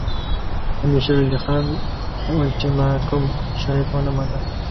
امیر شېر علي خان د اولټیماټوم شرایط ونه منل.